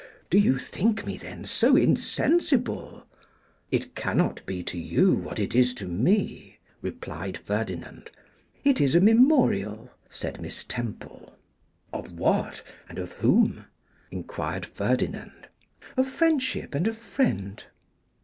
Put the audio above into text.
'Do you think me, then, so insensible?' 'It cannot be to you what it is to me,' replied Ferdinand. 'It is a memorial,' said Miss Temple. 'Of what, and of whom?' enquired Ferdinand. 'Of friendship and a friend.